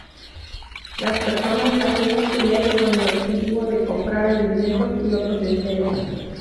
Las personas hacían este viaje con el objetivo de comprar alimentos y otros enseres.